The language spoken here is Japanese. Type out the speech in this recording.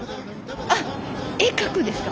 あっ絵描くんですか？